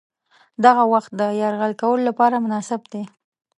دغه وخت د یرغل کولو لپاره مناسب دی.